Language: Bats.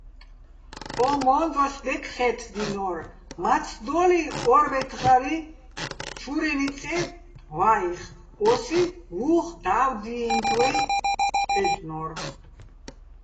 ო მო́ნდვას ბეკხე́თდინო́რ, მაცდო́ლიჼ ო́რბეთღარიჼ ჩურენი წე ვაიხ, ო́სი უ̂ხ და́ვიდიენთვაჲ-აჲლ'ნო́რ.